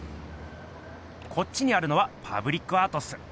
こっちにあるのはパブリックアートっす。